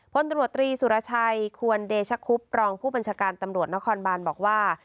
พลตรวจตรีสุรชัยควรเดชคุบรองผู้บัญชาการตำรวจนครบานบอกว่า